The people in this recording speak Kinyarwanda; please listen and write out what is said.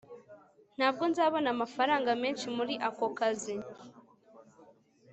Ntabwo nzabona amafaranga menshi muri ako kazi